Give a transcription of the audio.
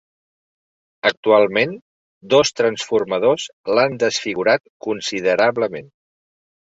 Actualment, dos transformadors l'han desfigurat considerablement.